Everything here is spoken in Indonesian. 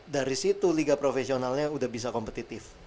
dari situ liga profesionalnya udah bisa kompetitif